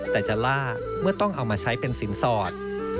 แต่จะล่าเมื่อต้องเอามาใช้เป็นสินสอด